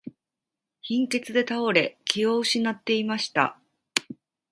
貧血で倒れ、気を失っていました。